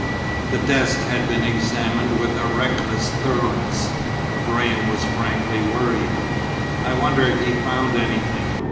The desk had been examined with a reckless thoroughness. Graham was frankly worried. "I wonder if he found anything.